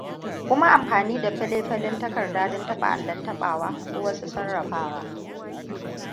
Kuma amfani da fele-fele takarda don taɓa allon taɓawa ko wasu sarrafawa.